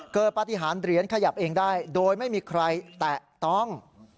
เกิดปฏิหารเหรียญขยับเองได้โดยไม่มีใครแตะต้อง